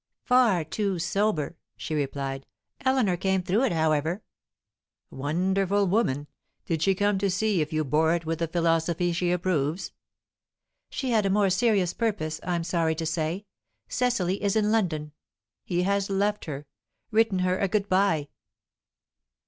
"Far too sober," she replied. "Eleanor came through it, however." "Wonderful woman! Did she come to see if you bore it with the philosophy she approves?" "She had a more serious purpose, I'm sorry to say, Cecily is in London, He has left her written her a good bye."